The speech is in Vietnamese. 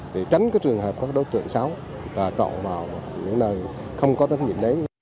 để tránh cái trường hợp có các đối tượng xáo trọng vào những nơi không có đối tượng đấy